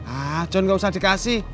ah john nggak usah dikasih